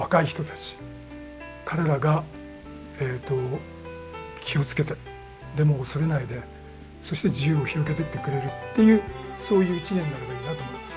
彼らが気をつけてでも恐れないでそして自由を広げてってくれるっていうそういう一年になればいいなと思います。